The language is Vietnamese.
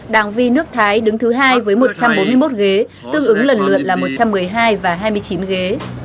đảng vi nước thái đứng thứ hai với một trăm bốn mươi một ghế tương ứng lần lượt là một trăm một mươi hai và hai mươi chín ghế